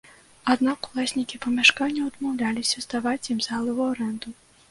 Аднак уласнікі памяшканняў адмаўляліся здаваць ім залы ў арэнду.